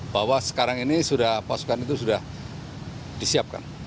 bahwa sekarang ini sudah pasukan itu sudah disiapkan